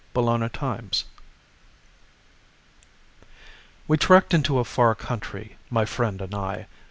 TRANSLATION We trekked into a far country, My friend and I.